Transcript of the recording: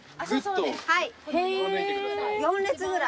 ４列ぐらい。